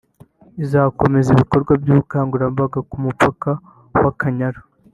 izakomereza ibikorwa by’ubukangurambaga ku mupaka w’Akanyaru